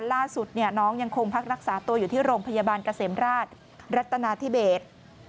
ล่าสุดน้องยังคงพักรักษาตัวอยู่ที่โรงพยาบาลเกษมราชรัตนาธิเบศ